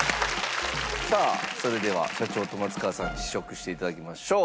それでは社長と松川さんに試食して頂きましょう。